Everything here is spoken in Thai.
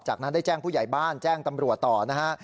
จากนั้นได้แจ้งผู้ใหญ่บ้านแจ้งตำรวจต่อนะฮะ